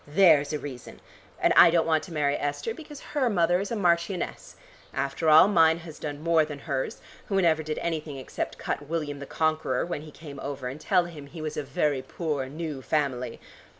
There's a reason! And I don't want to marry Esther because her mother is a marchioness. After all, mine has done more than hers, who never did anything except cut William the Conqueror when he came over, and tell him he was of very poor, new family.